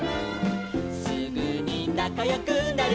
「すぐになかよくなるの」